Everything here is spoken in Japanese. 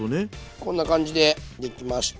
こんな感じでできました。